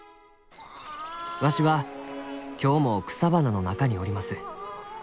わしは今日も草花の中におります」。